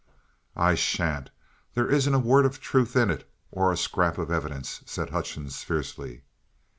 "I shan't. There isn't a word of truth in it, or a scrap of evidence," said Hutchings fiercely.